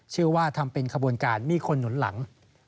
ว่าทำเป็นขบวนการมีคนหนุนหลัง